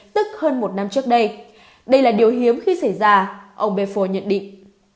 tức hơn một năm trước đây đây là điều hiếm khi xảy ra ông bepho nhận định